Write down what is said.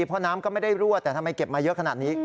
เพราะน้ำก็ไม่ได้รั่วแต่ทำไมเก็บมาเยอะขนาดนี้